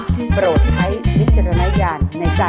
ตู้เย็นอย่างนี้ค่ะ